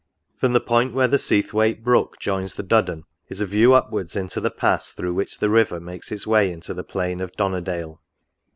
From the point where the Seathwaite Brook joins the Duddon, is a view upwards, into the pass through which the River makes its way into the Plain of Donnerdale.